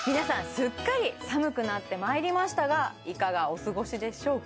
すっかり寒くなってまいりましたがいかがお過ごしでしょうか？